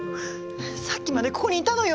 さっきまでここにいたのよ。